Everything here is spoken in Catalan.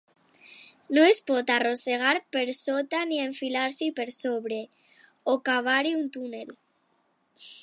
No es pot arrossegar per sota ni enfilar-s'hi per sobre, o cavar-hi un túnel.